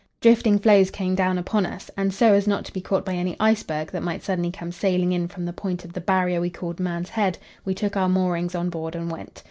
Drifting floes came down upon us, and so as not to be caught by any iceberg that might suddenly come sailing in from the point of the Barrier we called Man's Head, we took our moorings on board and went.